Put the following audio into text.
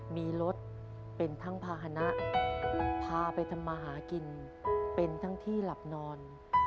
มีรถเป็นทั้งภาษณะพาไปทำมาหากินเป็นทั้งที่หลับนอน